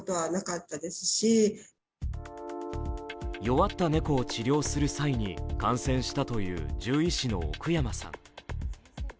弱った猫を治療する際に感染したという獣医師の奥山さん。